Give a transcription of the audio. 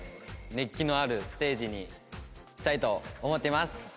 熱気のあるステージにしたいと思ってます。